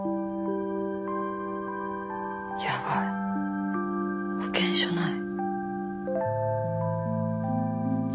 やばい保険証ない。